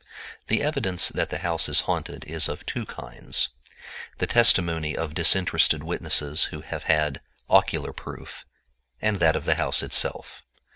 The evidence that the house is haunted is of two kinds; the testimony of disinterested witnesses who have had ocular proof, and that of the house itself.